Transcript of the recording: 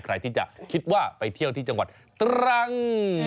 ใครที่จะคิดว่าไปเที่ยวที่จังหวัดตรัง